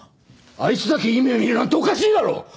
あいつだけいい目を見るなんておかしいだろ！